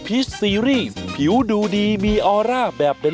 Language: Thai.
อ่ะโอเคเดี๋ยวกลับมาครับค่ะ